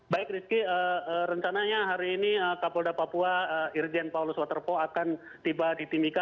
baik rizky rencananya hari ini kapolda papua irjen paulus waterpo akan tiba di timika